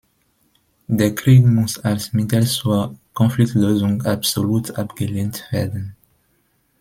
Der Krieg muss als Mittel zur Konfliktlösung absolut abgelehnt werden.